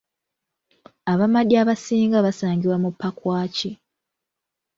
Abamadi abasinga basangibwa mu Pakwach.